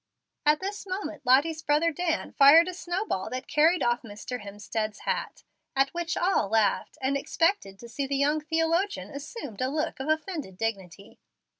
At this moment Lottie's brother Dan fired a snow ball that carried off Mr. Hemstead's hat; at which all laughed, and expected to see the young theologian assume a look of offended dignity.